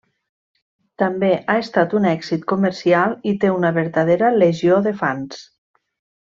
També ha estat un èxit comercial i té una vertadera legió de fans.